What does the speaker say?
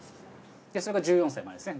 それが１４歳までですね。